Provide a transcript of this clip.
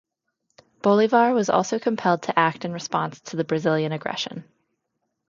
Bolivar was also compelled to act in response to the Brazilian aggression.